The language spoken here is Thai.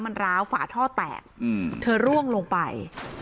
มันร้าวฝาท่อแตกเธอร่วงลงไป